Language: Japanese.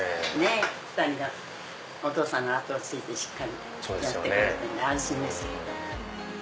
２人がお父さんの跡を継いでしっかりとやってくれてるんで安心です。